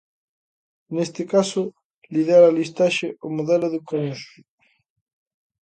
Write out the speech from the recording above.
E neste caso lidera a listaxe o modelo de Consum.